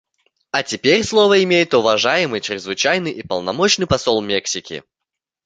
А теперь слово имеет уважаемый Чрезвычайный и Полномочный Посол Мексики.